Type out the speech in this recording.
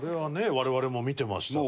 我々も見てましたから。